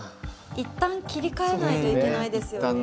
一旦切り替えないといけないですよね。